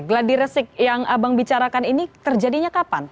gladiresik yang abang bicarakan ini terjadinya kapan